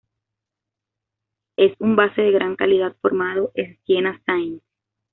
Es un base de gran calidad formado en Siena Saints.